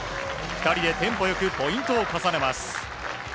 ２人でテンポ良くポイントを重ねます。